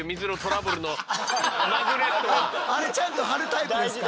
あれちゃんと貼るタイプですか？